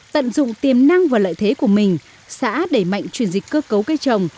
tận dụng tiềm năng và lợi thế của mình xã đẩy mạnh chuyển dịch cơ cấu cây trồng